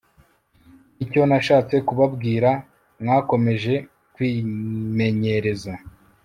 nicyo nashatse kubabwira Mwakomeje kwimenyereza